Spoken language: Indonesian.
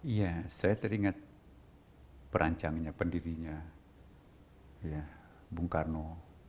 iya saya teringat perancangnya pendirinya bung karno